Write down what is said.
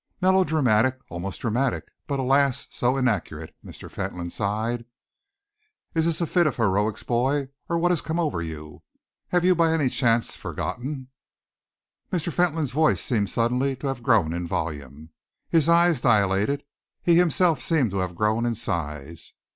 "Melodramatic, almost dramatic, but, alas! so inaccurate," Mr. Fentolin sighed. "Is this a fit of the heroics, boy, or what has come over you? Have you by any chance forgotten?" Mr. Fentolin's voice seemed suddenly to have grown in volume. His eyes dilated, he himself seemed to have grown in size.